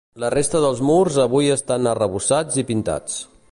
La resta dels murs avui estan arrebossats i pintats.